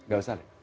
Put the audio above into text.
enggak usah lek